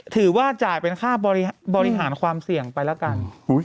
ถือว่าจ่ายเป็นค่าบริหารความเสี่ยงไปแล้วกัน